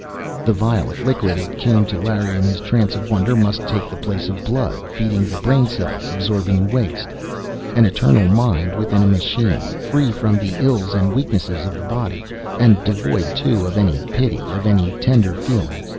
The violet liquid, it came to Larry in his trance of wonder, must take the place of blood, feeding the brain cells, absorbing waste. An eternal mind, within a machine! Free from the ills and weaknesses of the body. And devoid, too, of any pity, of any tender feelings.